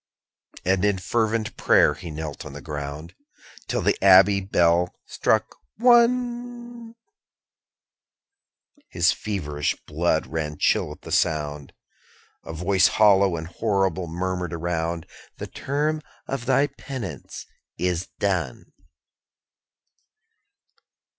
8. And in fervent pray'r he knelt on the ground, Till the abbey bell struck One: His feverish blood ran chill at the sound: A voice hollow and horrible murmured around _45 'The term of thy penance is done!'